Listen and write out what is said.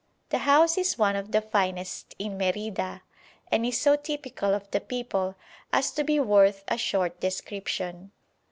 The house is one of the finest in Merida, and is so typical of the people as to be worth a short description.